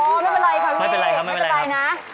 ไม่เป็นไรครับพี่ไม่เป็นไรนะไม่เป็นไรครับไม่เป็นไร